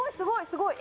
すごい！